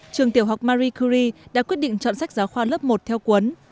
trường tiểu học marie curie đã quyết định chọn sách giáo khoa lớp một theo cuốn